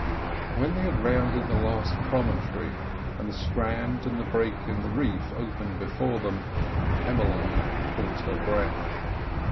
When they had rounded the last promontory, and the strand and the break in the reef opened before them, Emmeline caught her breath.